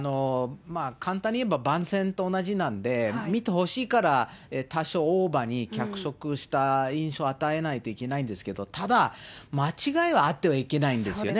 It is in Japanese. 簡単に言えば番宣と同じなんで、見てほしいから多少オーバーに、脚色した印象を与えないといけないんですけど、ただ、間違いはあってはいけないんですよね。